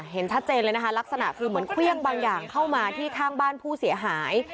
เห็นชัดเจนเลยนะคะลักษณะคือเหมือนเครื่องบางอย่างเข้ามาที่ข้างบ้านผู้เสียหาย